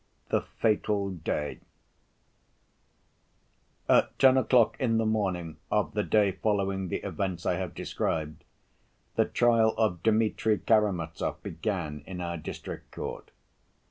The Fatal Day At ten o'clock in the morning of the day following the events I have described, the trial of Dmitri Karamazov began in our district court.